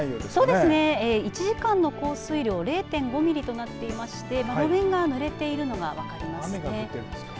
そうですね、１時間の降水量０．５ミリとなっていて路面が濡れているのが分かりますね。